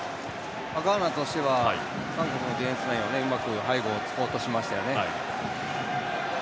ガーナとしては韓国のディフェンスラインをうまく背後を突こうとしましたよね。